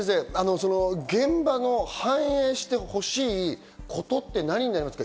現場の反映してほしいことって何になりますか？